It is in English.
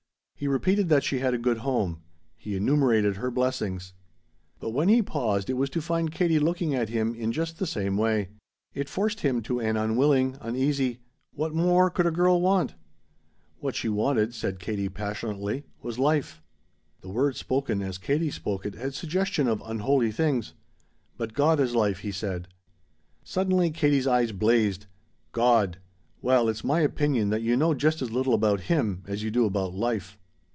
He repeated that she had a good home. He enumerated her blessings. But when he paused it was to find Katie looking at him in just the same way. It forced him to an unwilling, uneasy: "What more could a girl want?" "What she wanted," said Katie passionately, "was life." The word spoken as Katie spoke it had suggestion of unholy things. "But God is life," he said. Suddenly Katie's eyes blazed. "God! Well it's my opinion that you know just as little about Him as you do about 'life.'"